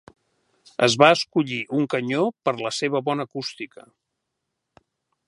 Es va escollir un canyó per la seva bona acústica.